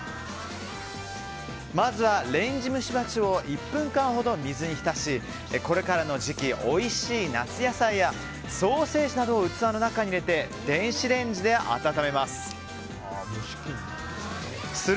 まずは、レンジ蒸し鉢を１分間ほど水に浸しこれからの時期おいしい夏野菜やソーセージなどを器の中に入れて電子レンジで温めます。